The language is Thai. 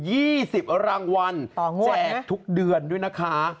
๒๐รางวัลแจกทุกเดือนด้วยนะคะ